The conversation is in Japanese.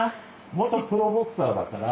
元プロボクサーだから。